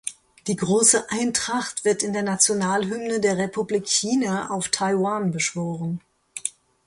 Die große Eintracht wird in der Nationalhymne der Republik China auf Taiwan beschworen.